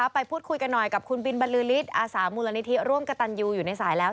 ไปพูดคุยกันหน่อยกับคุณบินบรรลือฤทธิอาสามูลนิธิร่วมกระตันยูอยู่ในสายแล้ว